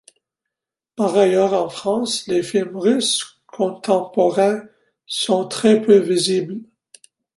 Par ailleurs, en France, les films russes contemporains sont très peu visibles.